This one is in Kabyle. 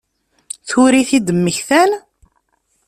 Tura i t-id-mmektan?